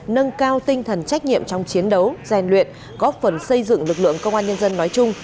nâng cao tinh thần trách nhiệm trong chiến đấu gian luyện góp phần xây dựng lực lượng công an nhân dân nói chung